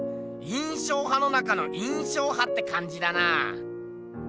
印象派の中の印象派ってかんじだなあ。